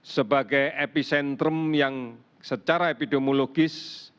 sebagai epicentrum yang secara epidemiologis